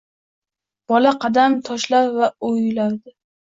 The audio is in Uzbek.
Bola qadam tashlar va oʻylardi: